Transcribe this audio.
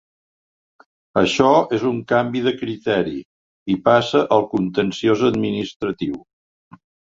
Això és un canvi de criteri, i passa al contenciós administratiu.